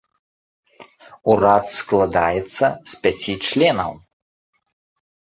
Урад складаецца складаецца з пяці членаў.